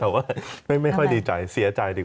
ว่าไม่ค่อยดีใจเสียใจดีกว่า